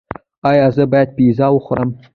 ایا زه باید پیزا وخورم؟